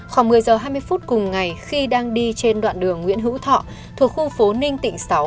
khoảng một mươi h hai mươi phút cùng ngày khi đang đi trên đoạn đường nguyễn hữu thọ thuộc khu phố ninh tịnh sáu